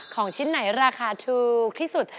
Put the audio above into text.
ของชิ้นไหนราคาถูกที่สุด